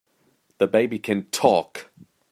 The baby can TALK!